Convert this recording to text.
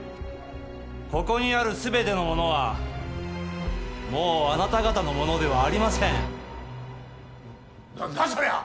ここにある全てのものはもうあなた方のものではありません何だそりゃ！？